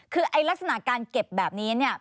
คือลักษณะการเก็บแบบนี้เนี่ย